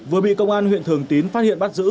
vừa bị công an huyện thường tín phát hiện bắt giữ